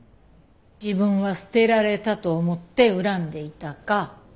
自分は捨てられたと思って恨んでいたか。